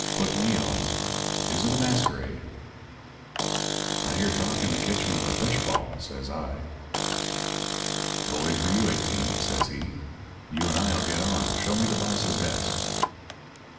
Put me on. Is it a masquerade?' "'I hear talk in the kitchen of a fishball,' says I. "'Bully for you, Eighteen,' says he. 'You and I'll get on. Show me the boss's desk.'